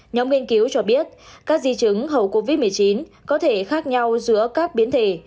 nhóm nghiên cứu cho biết các di chứng hậu covid một mươi chín có thể khác nhau giữa các biến thể